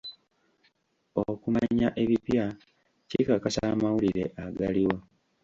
Okumanya ebipya kikakasa amawulire agaliwo.